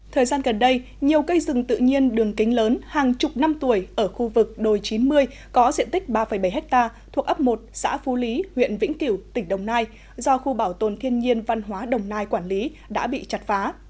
thời gian gần đây nhiều cây rừng tự nhiên đường kính lớn hàng chục năm tuổi ở khu vực đồi chín mươi có diện tích ba bảy hectare thuộc ấp một xã phú lý huyện vĩnh kiểu tỉnh đồng nai do khu bảo tồn thiên nhiên văn hóa đồng nai quản lý đã bị chặt phá